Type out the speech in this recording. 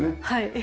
はい。